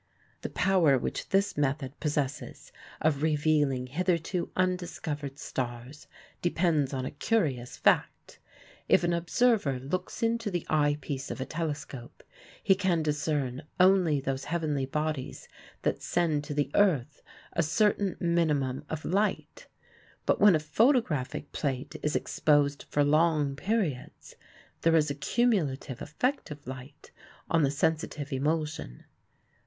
The power which this method possesses of revealing hitherto undiscovered stars depends on a curious fact. If an observer looks into the eye piece of a telescope he can discern only those heavenly bodies that send to the earth a certain minimum of light; but when a photographic plate is exposed for long periods there is a cumulative effect of light on the sensitive emulsion.